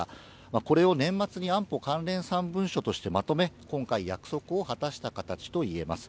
これを年末に安保関連３文書としてまとめ、今回、約束を果たした形といえます。